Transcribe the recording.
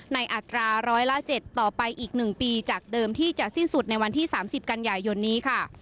อัตราร้อยละ๗ต่อไปอีก๑ปีจากเดิมที่จะสิ้นสุดในวันที่๓๐กันยายนนี้ค่ะ